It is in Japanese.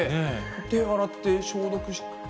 手を洗って、消毒して。